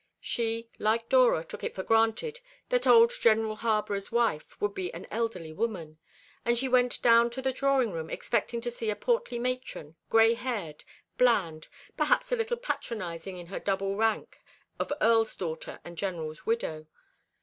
She, like Dora, took it for granted that old General Harborough's wife would be an elderly woman; and she went down to the drawing room expecting to see a portly matron, gray haired, bland, perhaps a little patronising in her double rank of Earl's daughter and General's widow.